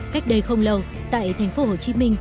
cách đây không lâu tại tp hcm